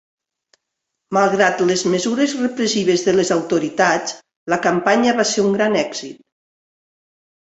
Malgrat les mesures repressives de les autoritats, la campanya va ser un gran èxit.